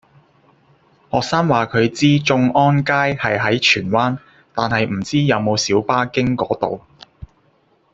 學生話佢知眾安街係喺荃灣，但係唔知有冇小巴經嗰度